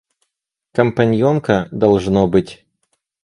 Компаньонка, должно быть.